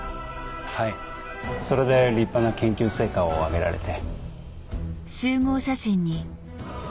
はいそれで立派な研究成果を挙げられて。